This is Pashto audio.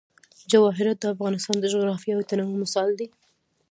جواهرات د افغانستان د جغرافیوي تنوع مثال دی.